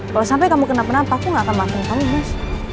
kalo sampe kamu kena penapa aku gak akan maafin kamu mas